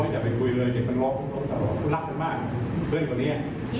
จะไปคุยกับเด็กคนนี้